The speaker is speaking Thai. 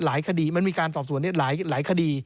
หลายคดีมันมีการสอบส่วนเนี่ยหลายคดี